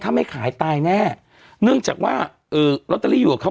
ถ้าไม่ขายตายแน่เนื่องจากว่าเออลอตเตอรี่อยู่กับเขา